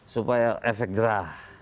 supaya efek jerah